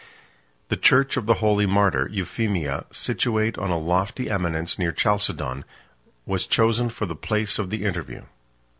The church of the holy martyr Euphemia, situate on a lofty eminence near Chalcedon, 34 was chosen for the place of the interview.